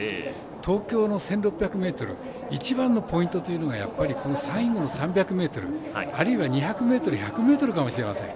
東京の１６００ｍ一番のポイントというのがやっぱり、最後の３００ｍあるいは２００ｍ、１００ｍかも分かりません。